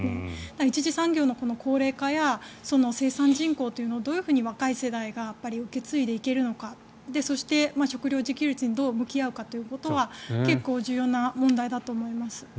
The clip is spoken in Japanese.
１次産業のこの高齢化や生産人口をどういうふうに若い世代が受け継いでいけるのかそして、食料自給率にどう向き合うかということは結構、重要な問題だと思います。